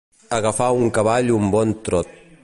Agafar un cavall un bon trot.